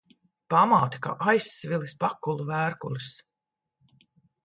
Pamāte kā aizsvilis pakulu vērkulis.